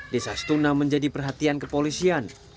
desa stuna menjadi perhatian kepolisian